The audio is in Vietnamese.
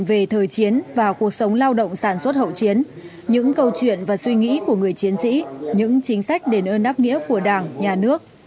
về thời chiến và cuộc sống lao động sản xuất hậu chiến những câu chuyện và suy nghĩ của người chiến sĩ những chính sách đền ơn đáp nghĩa của đảng nhà nước